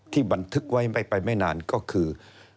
ที่บันทึกไว้ไปไม่นานก็คือ